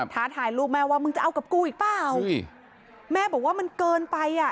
ท้าทายลูกแม่ว่ามึงจะเอากับกูอีกเปล่าอุ้ยแม่บอกว่ามันเกินไปอ่ะ